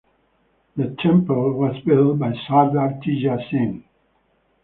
The temple was built by Sardar Teja Singh.